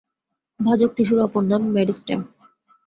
ভাজক টিস্যুর অপর নাম মেরিস্টেম।